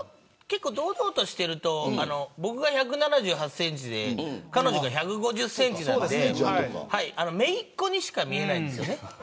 結構、堂々としていると僕が１７８センチで彼女が１５０センチなのでめいっ子にしか見えないんですよね。